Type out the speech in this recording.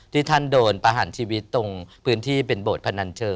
ที่ท่านโดนประหารชีวิตตรงพื้นที่เป็นโบสถพนันเชิง